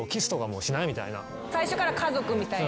最初から家族みたいな？